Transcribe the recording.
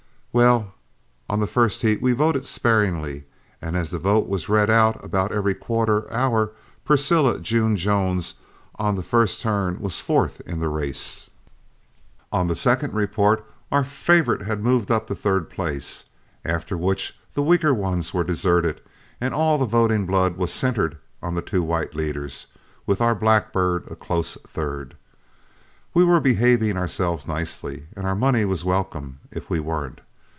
"Well, on the first heat we voted sparingly, and as the vote was read out about every quarter hour, Precilla June Jones on the first turn was fourth in the race. On the second report, our favorite had moved up to third place, after which the weaker ones were deserted, and all the voting blood was centered on the two white leaders, with our blackbird a close third. We were behaving ourselves nicely, and our money was welcome if we weren't.